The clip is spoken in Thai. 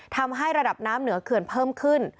ทำให้ระดับน้ำเหนือเขื่อนเพิ่มขึ้น